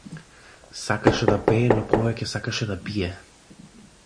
Сакаше да пее но повеќе сакаше да пие.